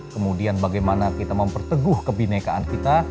kemudian bagaimana kita memperteguh kebinekaan kita